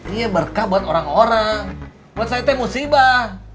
ini berkah buat orang orang buat saya itu musibah